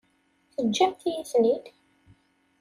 Teǧǧamt-iyi-ten-id?